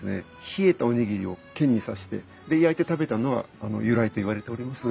冷えたおにぎりを剣に刺してで焼いて食べたのが由来といわれております。